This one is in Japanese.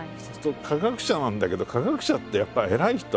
科学者なんだけど科学者ってやっぱ偉い人はね